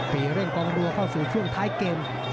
พี่เลี้ยงกรรมดัวเข้าสู่ช่วงท้ายเกม